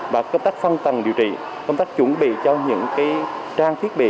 và công tác phân tầng điều trị công tác chuẩn bị cho những trang thiết bị